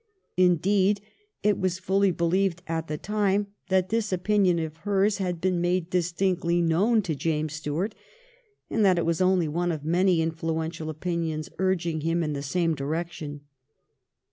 Indeed, it was fully believed at the time that this opinion of hers had been made distinctly known to James Stuart, and that it was only one of many influential opinions urging him in the same direction.